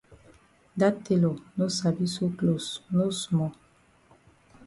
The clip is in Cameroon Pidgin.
Dat tailor no sabi sew closs no small.